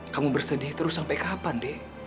kamu bersedih terus sampai kapan dek